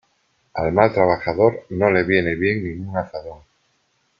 Al mal trabajador no le viene bien ningún azadón.